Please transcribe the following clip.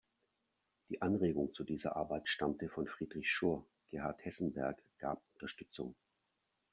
Die Anregung zu dieser Arbeit stammte von Friedrich Schur; Gerhard Hessenberg gab Unterstützung.